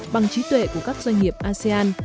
bằng trí tuệ của các doanh nghiệp asean